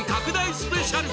スペシャル